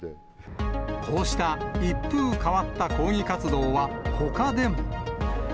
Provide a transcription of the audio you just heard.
こうした一風変わった抗議活動はほかでも。